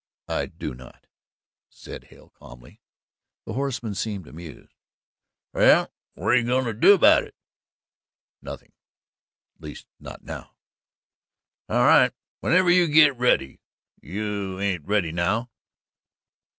"I do not," said Hale calmly. The horseman seemed amused. "Well, whut you goin' to do about it?" "Nothing at least not now." "All right whenever you git ready. You ain't ready now?"